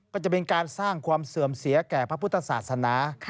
ก็จะเป็นการสร้างความเสื่อมเสียแก่พระพุทธศาสนา